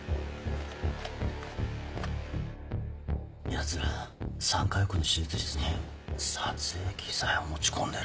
やつら３階奥の手術室に撮影機材を持ち込んでる。